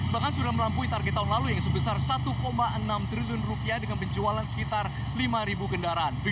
bahkan sudah melampaui target tahun lalu yang sebesar satu enam triliun rupiah dengan penjualan sekitar lima kendaraan